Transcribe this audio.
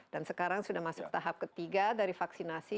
dan sekarang sudah masuk tahap ketiga dari vaksinasi